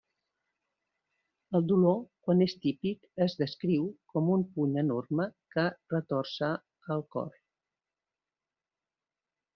El dolor, quan és típic es descriu com un puny enorme que retorça el cor.